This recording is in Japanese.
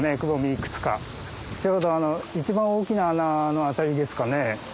ちょうどあの一番大きな穴の辺りですかね。